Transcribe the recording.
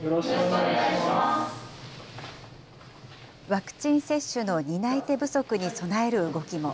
ワクチン接種の担い手不足に備える動きも。